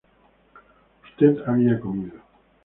Usted había comido